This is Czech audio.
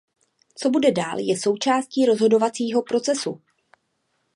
Co bude dál je součástí rozhodovacího procesu.